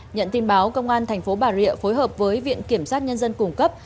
nhận tin báo công an tp bà rịa phối hợp với viện kiểm soát nhân dân củng cấp